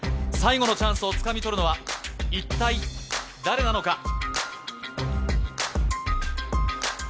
最後のチャンスをつかみ取るのは、一体誰なのか？